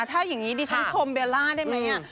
ถ้าอย่างนี้ดิฉันชมเบลล่าได้ไหม